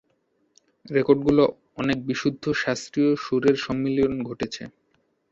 রেকর্ডগুলোয় অনেক বিশুদ্ধ শাস্ত্রীয় সুরের সম্মিলন ঘটেছে।